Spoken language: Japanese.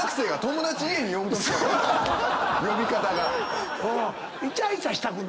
呼び方が。